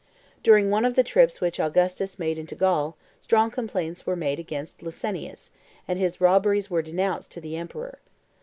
During one of the trips which Augustus made into Gaul, strong complaints were made against Licinius, and his robberies were denounced to the emperor.